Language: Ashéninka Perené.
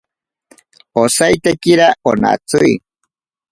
Osaitekira onatsi.